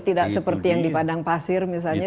tidak seperti yang di padang pasir misalnya